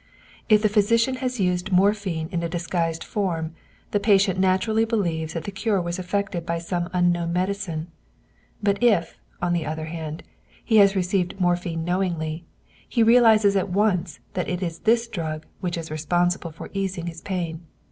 If the physician has used morphine in a disguised form, the patient naturally believes that the cure was effected by some unknown medicine; but if, on the other hand, he has received morphine knowingly, he realizes at once that it is this drug which is responsible for easing his pain.